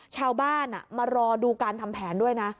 ชาวบ้านมารอดูการทำแผนด้วยนะ